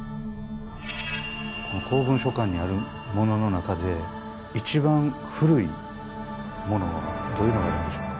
この公文書館にあるものの中で一番古いものはどういうのがあるんでしょう？